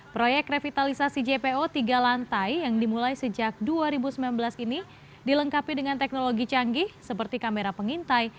proyek revitalisasi jpo tiga lantai yang dimulai sejak dua ribu sembilan belas ini dilengkapi dengan teknologi canggih seperti kamera pengintai